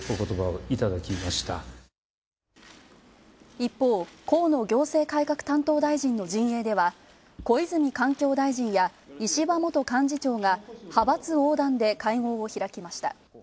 一方、河野行政改革担当大臣の陣営では小泉環境大臣や石破元幹事長が派閥横断で会合を開きました。